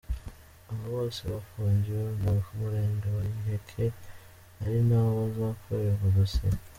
Abo bose bafungiwe mu murenge wa Giheke, ari naho bazakorerwa dosiye.